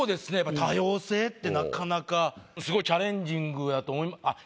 多様性ってなかなかすごいチャレンジングやと。